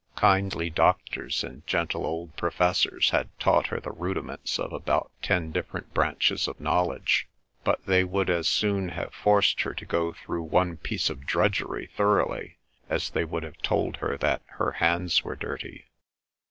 Kindly doctors and gentle old professors had taught her the rudiments of about ten different branches of knowledge, but they would as soon have forced her to go through one piece of drudgery thoroughly as they would have told her that her hands were dirty.